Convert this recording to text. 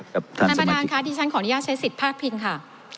ค่ะท่านประหลาดคะที่ฉันขออนุญาตใช้สิทธิพาร์ทพิงค่ะ